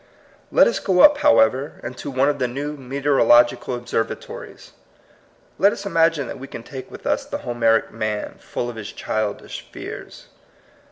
Let us go up, however, into one of the new meteorological observatories. Let us imagine that we can take with us the Ho meric man, full of his childish fears.